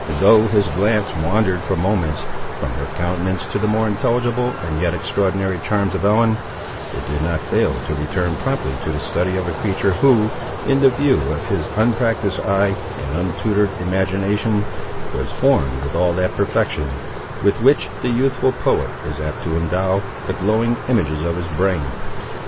Though his glance wandered, for moments, from her countenance to the more intelligible and yet extraordinary charms of Ellen, it did not fail to return promptly to the study of a creature who, in the view of his unpractised eye and untutored imagination, was formed with all that perfection, with which the youthful poet is apt to endow the glowing images of his brain.